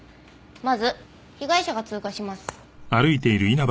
まず被害者が通過します。